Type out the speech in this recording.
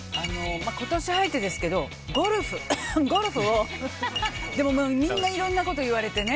今年入ってですけどゴルフをでも、みんないろんなこと言われてね。